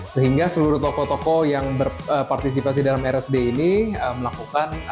sehingga seluruh toko toko yang berpartisipasi dalam rsd ini melakukan aktivitas